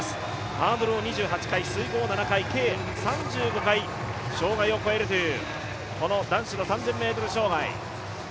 ハードルを２８回、水濠を７回、計３５回障害を越えるというこの、男子３０００ｍ障害。